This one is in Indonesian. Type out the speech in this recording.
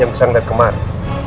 yang bisa ngeliat kemarin